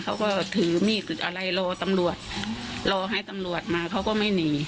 เขาก็ถือมีดอะไรรอตำรวจรอให้ตำรวจมาเขาก็ไม่หนี